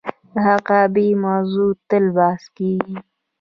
د حقابې موضوع تل بحث کیږي.